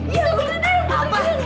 iya bener bener putri duyung